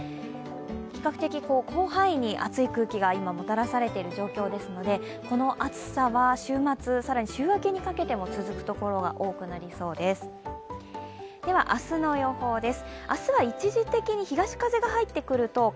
比較的、広範囲に熱い空気が今もたらされている状況ですのでこの暑さは週末、さらに週明けにかけても続くところが多くなりそうです。